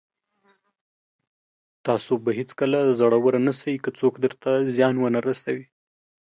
تاسو به هېڅکله زړور نسٸ، که څوک درته زيان ونه رسوي.